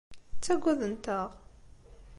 Ttagadent-aɣ.